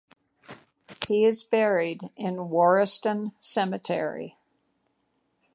He is buried in Warriston Cemetery